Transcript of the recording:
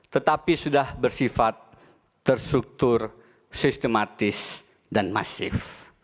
tetapi sudah bersifat terstruktur sistematis dan masif